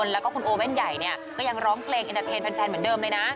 แล้วก็คุณโอเว่นใหญ่เนี่ยก็ยังร้องเกรงแฟนเหมือนเดิมเลยนะ